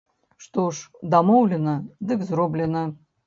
Што ж, дамоўлена, дык зроблена.